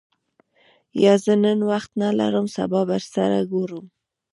یا، زه نن وخت نه لرم سبا به سره ګورو.